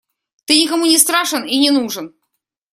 Ты никому не страшен и не нужен.